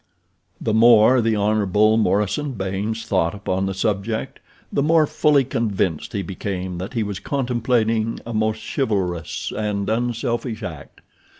The more the Hon. Morison Baynes thought upon the subject the more fully convinced he became that he was contemplating a most chivalrous and unselfish act.